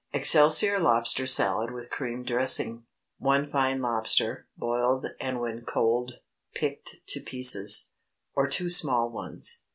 EXCELSIOR LOBSTER SALAD WITH CREAM DRESSING. ✠ 1 fine lobster, boiled and when cold picked to pieces, or two small ones.